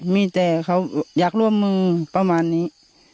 มีแต่เขาอยากร่วมมือประมาณนี้